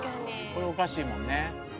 これおかしいもんね。